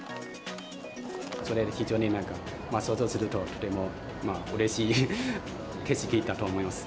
それを非常になんか、想像すると、とてもうれしい景色だと思います。